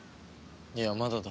いやまだだ。